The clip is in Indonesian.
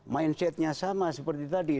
mindsetnya sama seperti tadi